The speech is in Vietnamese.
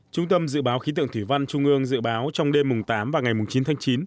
trung tâm dự báo khí tượng thủy văn trung ương dự báo trong đêm tám và ngày chín tháng chín